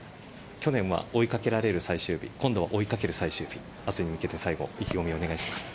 去年は追いかけられる最終日今度は追いかける最終日明日に向けて最後意気込みをお願いします。